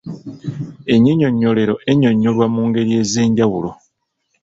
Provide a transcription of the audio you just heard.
Ennyinyonnyolero ennyonnyolwa mu ngeri ez’enjawulo